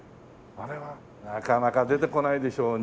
あれはなかなか出てこないでしょう。